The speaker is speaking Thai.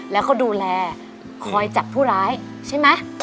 แล้วเขาดูแลคอยจับผู้ร้ายใช่ไหม